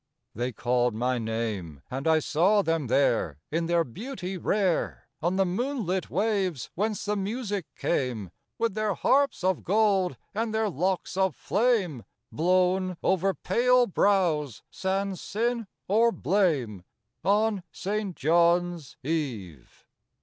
They called my name; And I saw them there, in their beauty rare, On the moonlit waves whence the music came, With their harps of gold, and their locks of flame Blown over pale brows, sans sin or blame, On St. John's Eve.